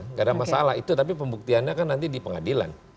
nggak ada masalah itu tapi pembuktiannya kan nanti di pengadilan